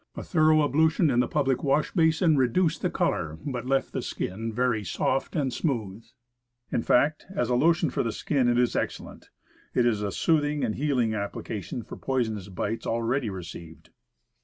A thorough ablution in the public wash basin reduced the color, but left the skin very soft and smooth; in fact, as a lotion for the skin it is ex cellent. It is a soothing and healing application for poisonous bites already received.